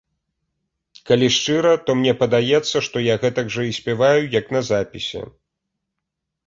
Калі шчыра, то мне падаецца, што я гэтак жа і спяваю, як на запісе.